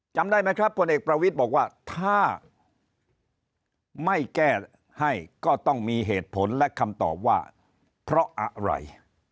จำได้ไหมครับพลเอกประวิทย์บอกว่าถ้าไม่แก้ให้ก็ต้องมีเหตุผลและคำตอบว่าเพราะอะไร